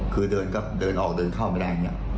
คือเดินออกเดินเข้ามาแบบนี้